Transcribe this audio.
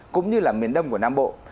cũng như là miền đông của nam bộ